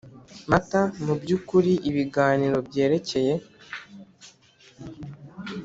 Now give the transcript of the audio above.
Mata Mu by ukuri ibiganiro byerekeye